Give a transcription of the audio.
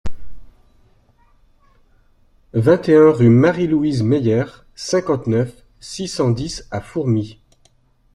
vingt et un rue Marie-Louise Meyer, cinquante-neuf, six cent dix à Fourmies